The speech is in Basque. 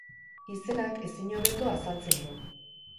Izenak ezin hobeto azaltzen du.